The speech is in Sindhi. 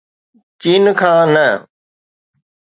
چين کان نه.